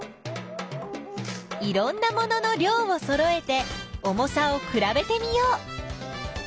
いろんなものの量をそろえて重さをくらべてみよう！